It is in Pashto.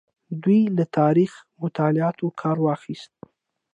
دوی له تاریخي مطالعاتو کار واخیست.